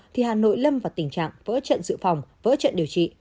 thì hà nội lâm vào tình trạng vỡ trận dự phòng vỡ trận điều trị